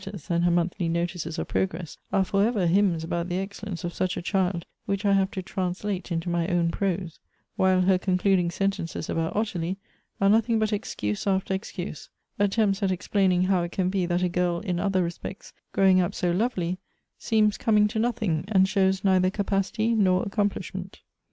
13 ters, and her monthly notices of progress, are for ever hymns about the excellence of such a child, which I have to translate into my own prose ; while her concluding sentences about Ottilie are nothing but excuse after ex cuse — attempts at explaining how it can be that a girl in other respects growing up so lovely seems coming to nothing, and shows neither capacity nor accomplishment.